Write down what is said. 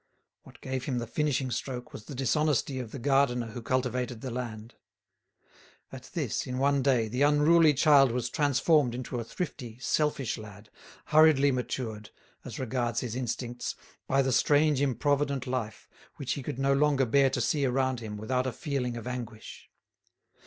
What gave him the finishing stroke was the dishonesty of the gardener who cultivated the land. At this, in one day, the unruly child was transformed into a thrifty, selfish lad, hurriedly matured, as regards his instincts, by the strange improvident life which he could no longer bear to see around him without a feeling of anguish.